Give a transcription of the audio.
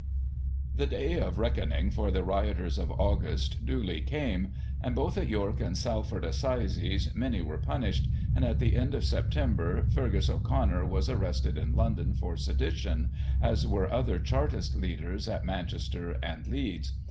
The day of reckoning for the Rioters of August duly came, and both at York and Salford Assizes many were punished, and at the end of September Feargus O'Connor was arrested in London for sedition, as were other Chartist leaders at Man chester and Leeds.